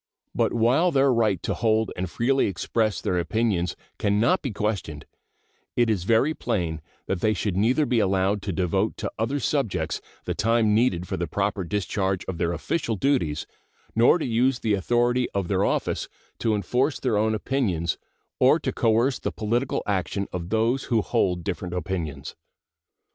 But while their right to hold and freely express their opinions can not be questioned, it is very plain that they should neither be allowed to devote to other subjects the time needed for the proper discharge of their official duties nor to use the authority of their office to enforce their own opinions or to coerce the political action of those who hold different opinions.